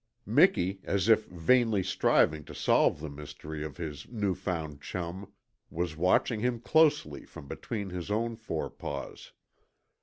Miki, as if vainly striving to solve the mystery of his new found chum, was watching him closely from between his own fore paws.